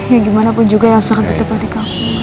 ya gimana pun juga yang seru ditepati kamu